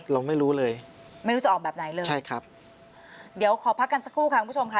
เราไม่รู้เลยไม่รู้จะออกแบบไหนเลยใช่ครับเดี๋ยวขอพักกันสักครู่ค่ะคุณผู้ชมค่ะ